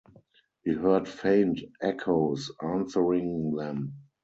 He heard faint echoes answering them.